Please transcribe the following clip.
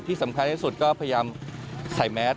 ที่สำคัญที่สุดก็พยายามใส่แมส